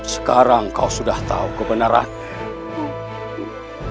sekarang kau sudah tahu kebenarannya